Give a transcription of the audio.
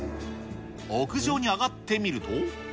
屋上に上がってみると。